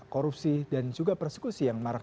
korupsi dan juga persekusi yang marak